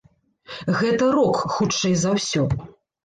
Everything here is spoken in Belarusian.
Гэта рок, хутчэй за ўсё.